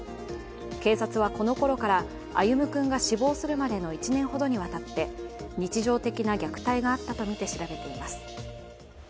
警察はこのころから歩夢君が死亡するまでの１年ほどにわたって日常的な虐待があったとみて調べています。